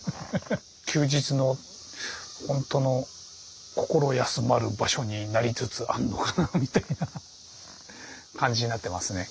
休日のほんとの心休まる場所になりつつあんのかなみたいな感じになってますね